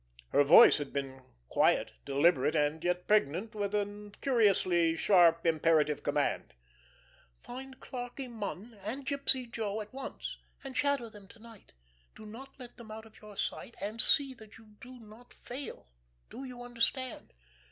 Her voice had been quiet, deliberate, and yet pregnant with a curiously sharp, imperative command. "Find Clarkie Munn and Gypsy Joe at once, and shadow them to night. Do not let them out of your sight. And see that you do not fail! Do you understand?"